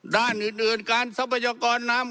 ด้านอื่นการสถาปันยกรน้ำ